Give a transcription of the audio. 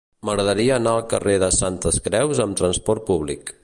M'agradaria anar al carrer de Santes Creus amb trasport públic.